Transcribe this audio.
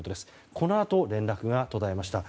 このあと、連絡が途絶えました。